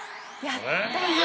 やったな。